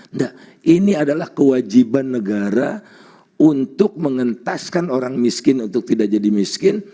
enggak ini adalah kewajiban negara untuk mengentaskan orang miskin untuk tidak jadi miskin